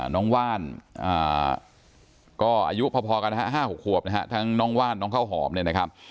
ว่านก็อายุพอกันนะฮะ๕๖ขวบนะฮะทั้งน้องว่านน้องข้าวหอมเนี่ยนะครับ